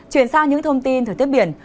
chuyển sang những thông tin thời tiết biển